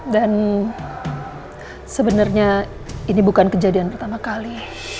dan sebenernya ini bukan kejadian pertama kali